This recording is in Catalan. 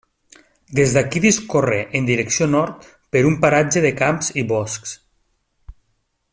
Des d'aquí discorre en direcció nord per un paratge de camps i boscs.